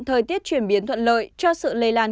thời tiết chuyển biến thuận lợi cho sự lây lan